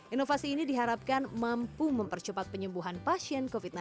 inovasi ini diharapkan mampu mempercepat penyembuhan pasien covid sembilan belas